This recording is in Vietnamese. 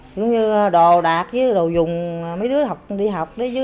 giống như đồ đạc với đồ dùng mấy đứa đi học đấy chứ